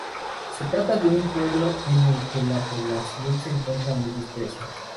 Se trata de un pueblo en el que la población se encuentra muy dispersa.